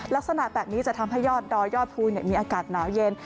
ลักษณะแบบนี้จะทำให้ยอดดอยยอดภูมิมีอากาศหนาวเย็น